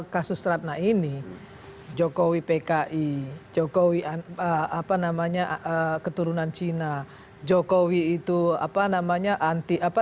kasus ratna ini jokowi pki jokowi apa namanya keturunan cina jokowi itu apa namanya anti apa